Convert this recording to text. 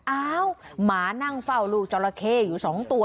อ้าวหมานั่งเฝ้าลูกจอละเคอยู่สองตัว